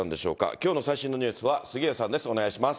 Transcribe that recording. きょうの最新のニュースは杉上さんです。